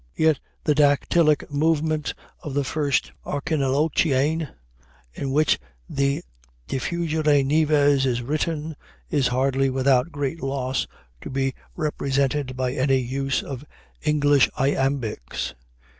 Yet the dactylic movement of the First Archilochian, in which the "Diffugere nives" is written, is hardly without great loss to be represented by any use of English iambics.